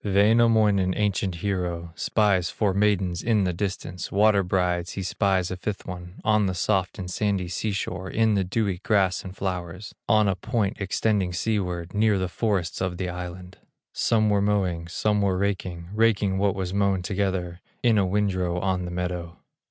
Wainamoinen, ancient hero, Spies four maidens in the distance, Water brides, he spies a fifth one, On the soft and sandy sea shore, In the dewy grass and flowers, On a point extending seaward, Near the forests of the island. Some were mowing, some were raking, Raking what was mown together, In a windrow on the meadow.